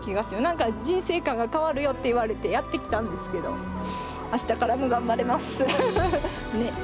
何か人生観が変わるよって言われてやって来たんですけどあしたからも頑張れます。ね！